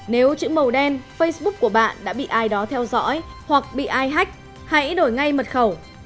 nếu chữ màu đen facebook của bạn đã bị ai đó theo dõi hoặc bị ai hách hãy đổi ngay mật khẩu